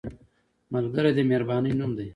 ملګری د مهربانۍ نوم دی